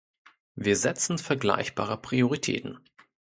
Wir setzen vergleichbare Prioritäten.